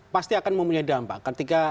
pasti akan mempunyai dampak ketika